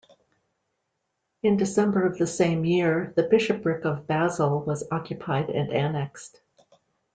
In December of the same year the Bishopric of Basel was occupied and annexed.